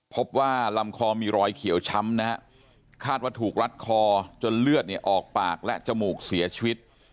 พบว่าลำคอมีรอยเขียวช้ำนะฮะคาดว่าถูกรัดคอจนเลือดเนี่ยออกปากและจมูกเสียชีวิต